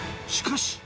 しかし。